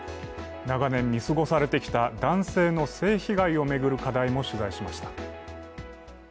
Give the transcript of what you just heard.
長年見過ごされてきた男性の性被害を巡る課題も取材しました。